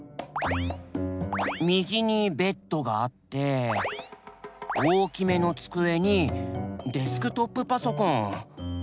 右にベッドがあって大きめの机にデスクトップパソコン。